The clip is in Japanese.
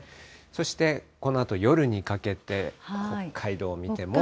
そして、このあと夜にかけて、北海道を見ても。